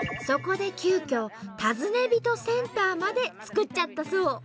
そこで急きょ「尋ね人センター」まで作っちゃったそう。